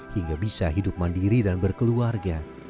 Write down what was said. hingga bisa hidup mandiri dan berkeluarga